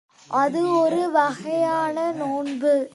அது ஒரு வகையான நோன்பு.